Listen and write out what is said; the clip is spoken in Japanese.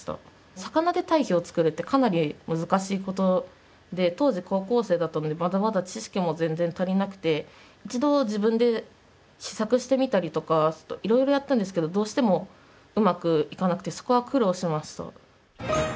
魚で堆肥を作るってかなり難しいことで当時高校生だったのでまだまだ知識も全然足りなくて一度自分で試作してみたりとかいろいろやったんですけどどうしてもうまくいかなくてそこは苦労しました。